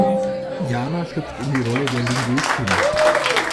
Jana schlüpft in die Rolle der Linguistin.